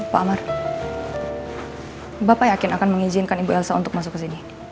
pak amar bapak yakin akan mengizinkan ibu elsa untuk masuk ke sini